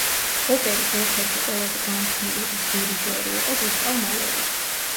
ოპერის ერთ-ერთი ყველაზე განთქმული დირიჟორი იყო გუსტავ მალერი.